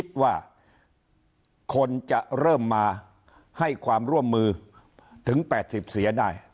ว่าคนจะเริ่มมาให้ความร่วมมือถึง๘๐เสียได้